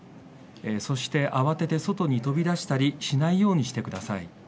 慌てて外に飛び出したりしないようにしてください。